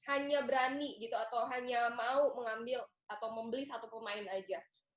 hanya berani gitu atau hanya mau mengambil atau membeli satu pemain aja